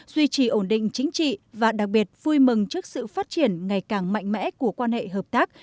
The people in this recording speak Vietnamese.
duy trì ổn định chính trị và đặc biệt vui mừng trước sự phát triển ngày càng mạnh mẽ của quan hệ hợp tác